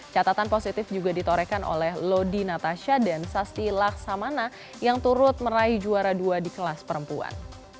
catatan positif juga ditorekan oleh lodi natasha dan sasti laksamana yang turut meraih juara dua di kelas perempuan